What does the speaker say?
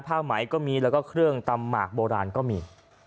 ผ้าไหมก็มีแล้วก็เครื่องตำหมากโบราณก็มี